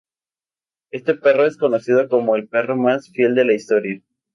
Este perro es conocido como el perro más fiel de la historia.